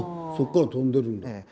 そこから飛んでるんだ。